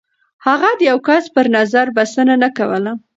هغه د يو کس پر نظر بسنه نه کوله.